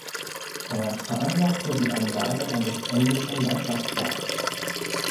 Er veranlasste die Anlage eines englischen Landschaftsparks.